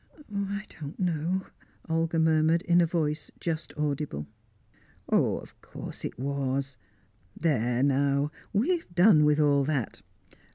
"I don't know," Olga murmured, in a voice just audible. "Of course it was! There now, we've done with all that.